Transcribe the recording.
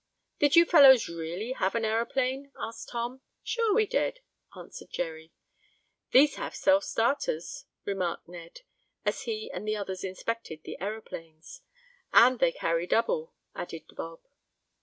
"Did you fellows really have an aeroplane?" asked Tom. "Sure we did!" answered Jerry. "These have self starters," remarked Ned, as he and the others inspected the aeroplanes. "And they carry double," added Bob.